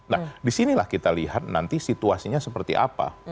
nah disinilah kita lihat nanti situasinya seperti apa